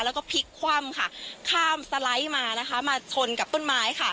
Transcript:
แล้วก็พลิกคว่ำค่ะข้ามสไลด์มานะคะมาชนกับต้นไม้ค่ะ